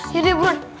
ya udah buruan